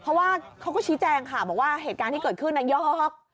เพราะว่าเขาก็ชี้แจงค่ะบอกว่าเหตุการณ์ที่เกิดขึ้นน่ะยอก